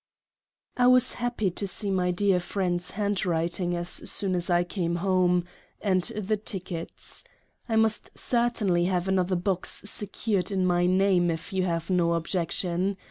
I was happy to see my Dear Friend's handwriting, as soon as I came home, and the Tickets. I must certainly have another Box secured in my name if you have no Objection.